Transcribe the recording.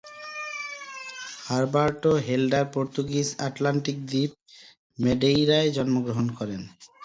Herberto Helder Portuguese Atlantic দ্বীপ ম্যাডেইরায় জন্মগ্রহণ করেন।